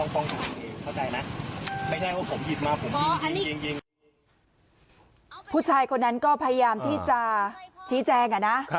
ผู้ชายคนนั้นก็พยายามที่จะชี้แจงอะนะ